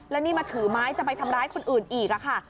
แล้วนี่มาถือไม้จะไปทำร้ายคนอื่นอีกค่ะ